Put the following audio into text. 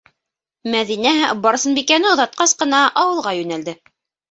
Мәҙинә Барсынбикәне оҙатҡас ҡына ауылға йүнәлде.